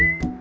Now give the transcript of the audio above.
ya udah deh